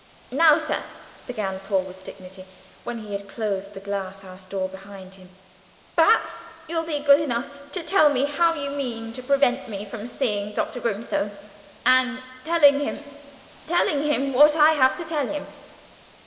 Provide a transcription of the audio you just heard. "Now, sir," began Paul, with dignity, when he had closed the glass door behind him, "perhaps you'll be good enough to tell me how you mean to prevent me from seeing Dr. Grimstone, and telling him telling him what I have to tell him?"